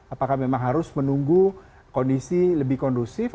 apakah memang harus menunggu kondisi lebih kondusif